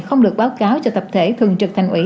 không được báo cáo cho tập thể thường trực thành ủy